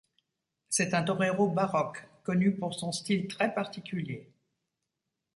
C'est un torero baroque, connu pour son style très particulier.